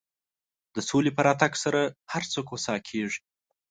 د سولې په راتګ سره هر څوک هوسا کېږي.